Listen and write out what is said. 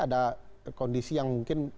ada kondisi yang mungkin